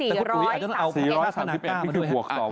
๔๓๘มิ้นต์บวกส่อวอด้วย